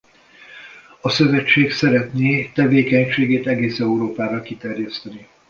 A szövetség szeretné tevékenységét egész Európára kiterjeszteni.